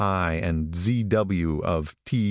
I. and Z. W. of T.